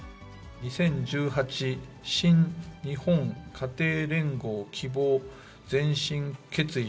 ２０１８神日本家庭連合希望前進決意